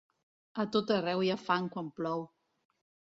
A tot arreu hi ha fang quan plou.